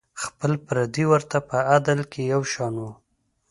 خپل پردي ورته په عدل کې یو شان وو.